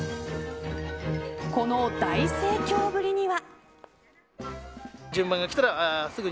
この大盛況ぶりには。